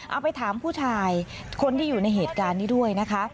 เอาไปถามผู้ชายคนที่อยู่ในเหตุการณ์นี้ด้วยนะคะ